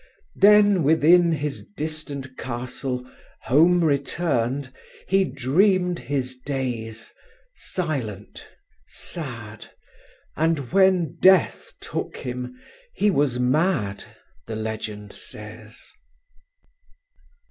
"Then within his distant castle, Home returned, he dreamed his days— Silent, sad,—and when death took him He was mad, the legend says."